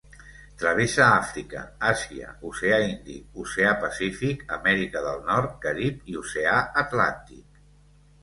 Travessa Àfrica, Àsia, Oceà Índic, Oceà Pacífic, Amèrica del Nord, Carib i Oceà Atlàntic.